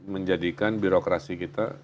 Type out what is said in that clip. menjadikan birokrasi kita